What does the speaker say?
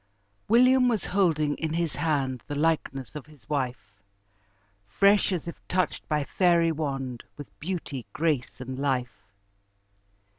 William was holding in his hand The likeness of his wife! Fresh, as if touched by fairy wand, With beauty, grace, and life.